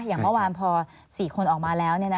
อย่างเมื่อวานพอ๔คนออกมาแล้ว